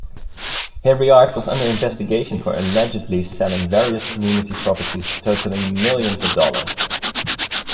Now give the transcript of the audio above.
Hiriart was under investigation for allegedly selling various community properties totaling millions of dollars.